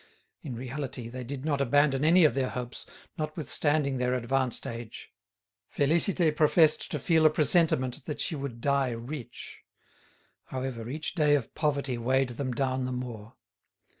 In reality, they did not abandon any of their hopes, notwithstanding their advanced age. Félicité professed to feel a presentiment that she would die rich. However, each day of poverty weighed them down the more.